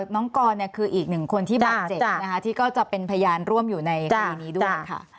น้องกรคืออีกหนึ่งคนที่บาดเจ็บนะคะที่ก็จะเป็นพยานร่วมอยู่ในคดีนี้ด้วยค่ะ